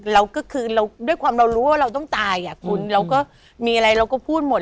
เราก็คือเราด้วยความเรารู้ว่าเราต้องตายอ่ะคุณเราก็มีอะไรเราก็พูดหมด